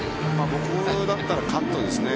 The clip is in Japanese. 僕だったらカットですね。